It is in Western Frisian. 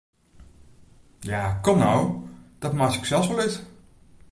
Ja, kom no, dat meitsje ik sels wol út!